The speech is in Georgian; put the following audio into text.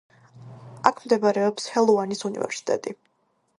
აქ მდებარეობს ჰელუანის უნივერსიტეტი.